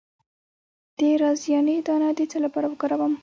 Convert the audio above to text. د رازیانې دانه د څه لپاره وکاروم؟